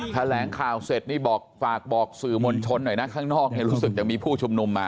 แถลงข่าวเสร็จนี่บอกฝากบอกสื่อมวลชนหน่อยนะข้างนอกเนี่ยรู้สึกจะมีผู้ชุมนุมมา